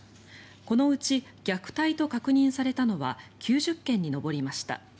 このうち虐待と確認されたのは９０件に上りました。